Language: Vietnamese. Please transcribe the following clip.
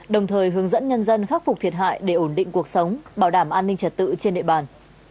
đồng thời hướng dẫn nhân dân khắc phục thiệt hại để ổn định cuộc sống bảo đảm an ninh trật tự trên địa bàn